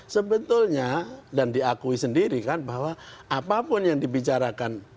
sebetulnya dan diakui sendiri kan bahwa apapun yang dibicarakan